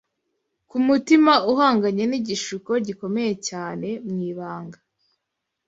Ku mutima uhanganye n’igishuko gikomeye cyane mu ibanga